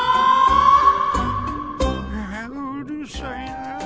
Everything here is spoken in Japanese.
ああうるさいな。